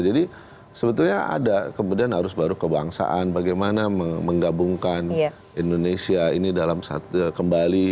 jadi sebetulnya ada kemudian arus baru kebangsaan bagaimana menggabungkan indonesia ini dalam kembali